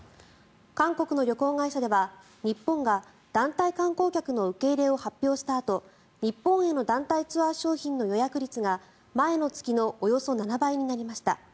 韓国の旅行会社では日本が団体観光客の受け入れを発表したあと日本への団体ツアー商品の予約率が前の月のおよそ７倍になりました。